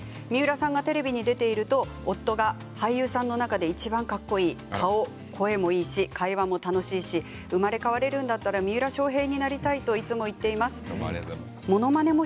三浦さんがテレビ見ていると夫が、、俳優さんの中でいちばんかっこいい顔、声もかっこいいし楽しいし生まれ変われるんだったら三浦翔平になりたいっていつも言っています。